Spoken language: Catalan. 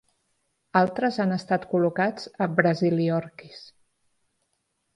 Altres han estat col·locats a "Brasiliorchis".